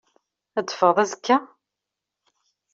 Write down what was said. Ad teffɣeḍ azekka?